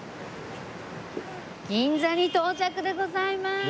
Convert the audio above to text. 銀座に到着でございまーす！